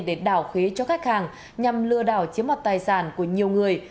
để đảo khế cho khách hàng nhằm lừa đảo chiếm mặt tài sản của nhiều người